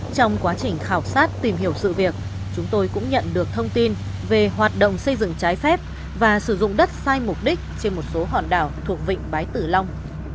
trong quá trình khảo sát tìm hiểu sự việc chúng tôi cũng nhận được thông tin về hoạt động xây dựng trái phép và sử dụng đất sai mục đích trên một số hòn đảo thuộc vịnh bái tử long